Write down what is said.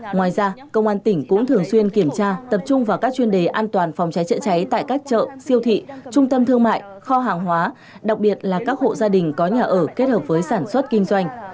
ngoài ra công an tỉnh cũng thường xuyên kiểm tra tập trung vào các chuyên đề an toàn phòng cháy chữa cháy tại các chợ siêu thị trung tâm thương mại kho hàng hóa đặc biệt là các hộ gia đình có nhà ở kết hợp với sản xuất kinh doanh